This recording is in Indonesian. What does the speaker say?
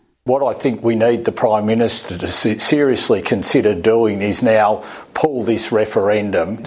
apa yang saya pikir kita butuhkan untuk pemerintah untuk serius mengikuti adalah menangkap referendum ini